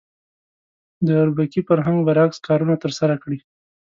د اربکي فرهنګ برعکس کارونه ترسره کړي.